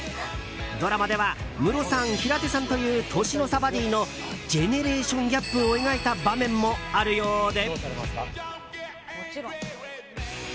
ドラマではムロさん、平手さんという年の差バディーのジェネレーションギャップを描いた場面もあるようで。